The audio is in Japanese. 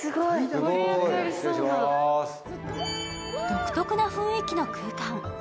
独特な雰囲気の空間。